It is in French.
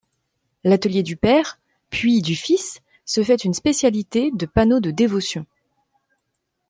L'atelier du père, puis du fils, se fait une spécialité de panneaux de dévotion.